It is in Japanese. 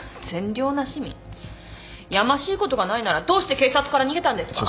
やましいことがないならどうして警察から逃げたんですか？